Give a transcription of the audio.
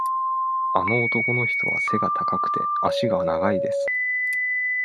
あの男の人は背が高くて、足が長いです。